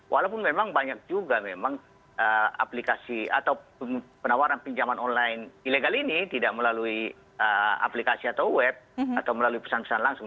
walaupun memang banyak juga memang aplikasi atau penawaran pinjaman online ilegal ini tidak melalui aplikasi atau web atau melalui pesan pesan langsung